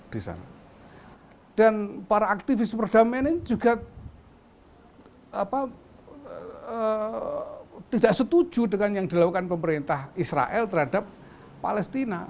dan para aktivis perdamaian ini juga tidak setuju dengan yang dilakukan pemerintah israel terhadap palestina